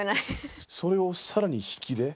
それを更に引きで。